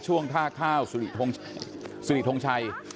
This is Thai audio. ช่วงท่าข้าวสิริทงชัย